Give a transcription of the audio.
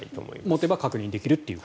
持てば確認できると。